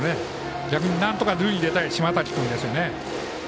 逆になんとか塁に出たい島瀧君です。